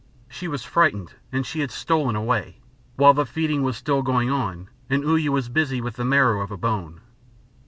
She was frightened and she had stolen away, while the feeding was still going on, and Uya was busy with the marrow of a bone.